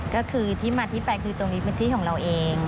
ก็คือที่มาที่ไปคือตรงนี้เป็นที่ของเราเอง